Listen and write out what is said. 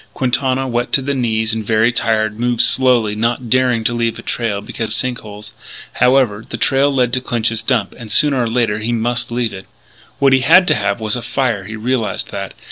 Quintana, wet to the knees and very tired, moved slowly, not daring to leave the trail because of sink holes. However, the trail led to Clinch's Dump, and sooner or later he must leave it. What he had to have was a fire; he realised that.